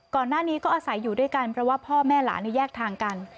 ก่อนหน้านี้ก็อาศัยอยู่ด้วยกันเพราะว่าพ่อแม่หลานแยกทางกัน